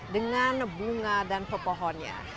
dengan bunga dan pepohonnya